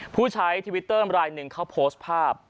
ผู้ใช้ทวิตเตอร์รายหนึ่งเขาโพสต์ภาพ